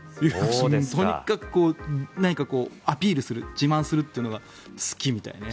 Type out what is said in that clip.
とにかく何かアピールする自慢するというのが好きみたいね。